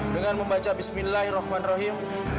dengan membaca bismillahirrahmanirrahim